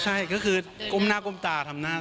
ใช่ก็คือก้มหน้าก้มตาทำหน้า